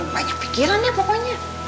banyak pikiran ya pokoknya